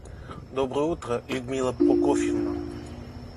Доброе утро, Людмила Прокофьевна.